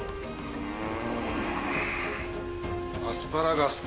うん。